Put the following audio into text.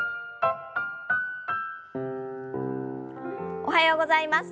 おはようございます。